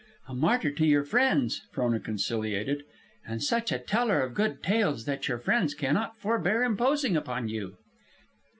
"A martyr to your friends," Frona conciliated. "And such a teller of good tales that your friends cannot forbear imposing upon you."